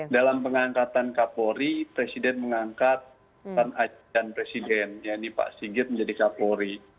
dalam pengangkatan kapolri presiden mengangkat dan presiden yaitu pak sigit menjadi kapolri